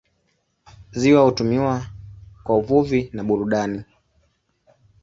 Ziwa hutumiwa kwa uvuvi na burudani.